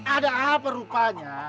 ada apa rupanya